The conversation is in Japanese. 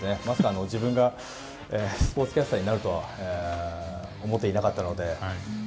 まさか自分がスポーツキャスターになるとは思っていなかったので。